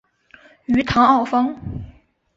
于唐奥方。